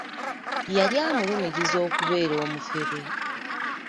Yali amulumiriza okubeera omufere.